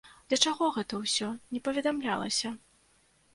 Для чаго гэта ўсё, не паведамлялася.